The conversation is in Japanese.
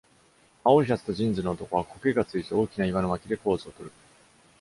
青いシャツとジーンズの男は、苔が付いた大きな岩の脇でポーズをとる。